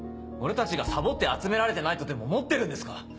俺たちがサボって集められてないとでも思ってるんですか？